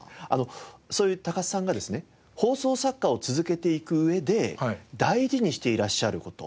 そういう高須さんがですね放送作家を続けていく上で大事にしていらっしゃる事守ってるルール